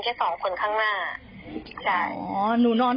เขาก็บอกว่าเขานอนได้เลย